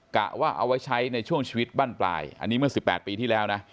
กะว่าเอาไว้ใช้ในช่วงชีวิตบ้านปลายอันนี้เมื่อ๑๘ปีที่แล้วนะ